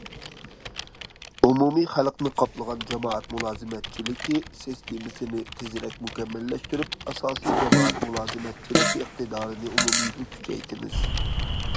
ئومۇمىي خەلقنى قاپلىغان جامائەت مۇلازىمەتچىلىكى سىستېمىسىنى تېزرەك مۇكەممەللەشتۈرۈپ، ئاساسىي جامائەت مۇلازىمەتچىلىكى ئىقتىدارىنى ئومۇميۈزلۈك كۈچەيتىمىز.